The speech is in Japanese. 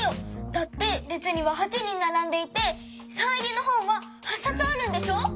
だってれつには８人ならんでいてサイン入りのほんは８さつあるんでしょ？